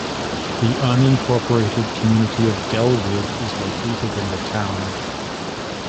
The unincorporated community of Dellwood is located in the town.